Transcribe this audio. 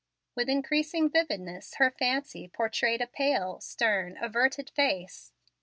With increasing vividness her fancy portrayed a pale, stern, averted face.